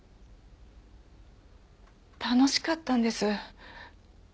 楽しかったんです。